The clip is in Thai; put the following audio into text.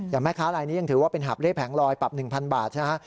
อย่างแม่ค้าลายนี้ยังถือว่าเป็นหาบเล่แผงลอยปรับ๑๐๐๐บาทนะฮะ